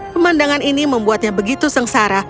pemandangan ini membuatnya begitu sengsara